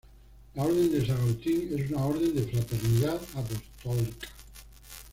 La Orden de San Agustín es una orden de fraternidad apostólica.